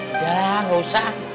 udah nggak usah